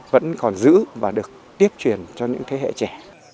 vẫn còn giữ và được tiếp truyền cho những thế hệ trẻ